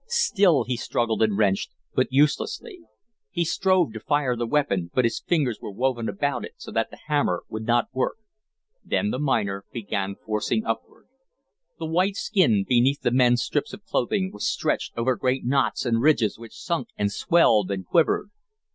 Still he struggled and wrenched, but uselessly. He strove to fire the weapon, but his fingers were woven about it so that the hammer would not work. Then the miner began forcing upward. The white skin beneath the men's strips of clothing was stretched over great knots and ridges which sunk and swelled and quivered.